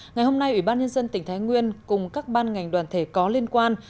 ngày hôm nay ủy ban nhân dân tỉnh thái nguyên cùng các ban ngành đoàn thể có liên quan